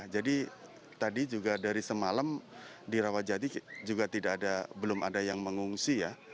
jadi tadi juga dari semalam di rawajati juga belum ada yang mengungsi ya